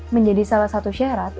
menjadi salah satu syarat